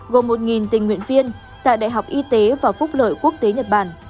gồm một tình nguyện viên tại đại học y tế và phúc lợi quốc tế nhật bản